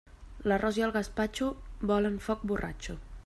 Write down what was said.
L'arròs i el gaspatxo volen foc borratxo.